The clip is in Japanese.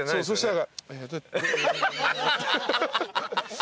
そしたら。